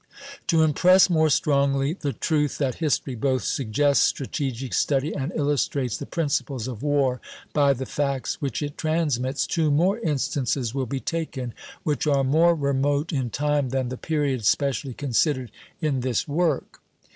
To impress more strongly the truth that history both suggests strategic study and illustrates the principles of war by the facts which it transmits, two more instances will be taken, which are more remote in time than the period specially considered in this work.